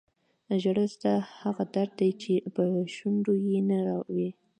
ژړل ستا هغه درد دی چې په شونډو یې نه وایې.